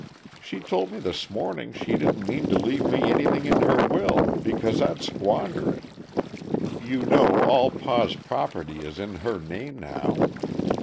She told me this morning she didn't mean to leave me anything in her will, because I'd squander it. You know all pa's property is in her name now.